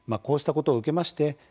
こうしたことを受けまして